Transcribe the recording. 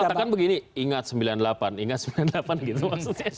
katakan begini ingat sembilan puluh delapan ingat sembilan puluh delapan gitu maksudnya